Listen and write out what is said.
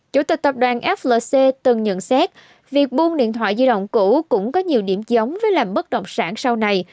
chủ tịch tập đoàn flc từng nhận xét việc buông điện thoại di động cũ cũng có nhiều điểm chống với làm bất động sản sau này